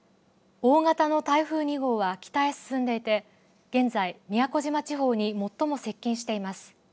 大型の台風２号は北へ進んでいて現在、宮古島地方に最も接近しています。